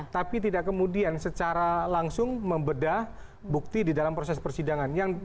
tapi tidak kemudian secara langsung membedah bukti di dalam proses persidangan